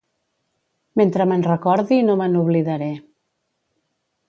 Mentre me'n recordi, no me n'oblidaré.